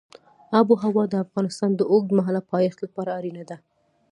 آب وهوا د افغانستان د اوږدمهاله پایښت لپاره اړینه ده.